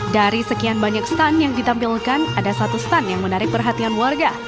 dari sekian banyak stand yang ditampilkan ada satu stand yang menarik perhatian warga